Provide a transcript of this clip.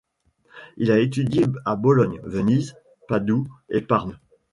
Il a étudié à Bologne, Venise, Padoue et Parme.